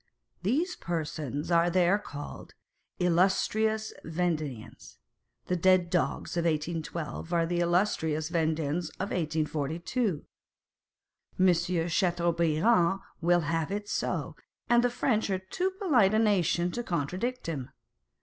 These persons are there called " Illustrious Vendeans." The dead dogs of 1812 are the illustrious Vendeans of 1824. Monsieur Chateaubriand will have it so, and the French are too polite a nation to contradict him.